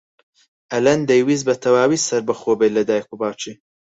ئەلەند دەیویست بەتەواوی سەربەخۆ بێت لە دایک و باوکی.